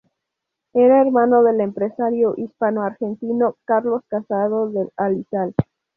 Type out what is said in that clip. Era hermano del empresario hispanoargentino Carlos Casado del Alisal.